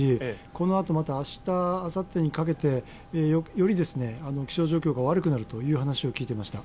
このあとまた明日、あさってにかけてより気象状況が悪くなるという話を聞いてました。